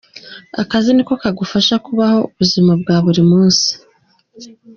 Akazi niko kagufasha kubaho ubuzima bwa buri munsi.